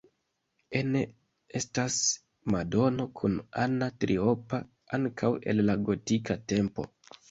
Ene estas madono kun Anna Triopa, ankaŭ el la gotika tempo.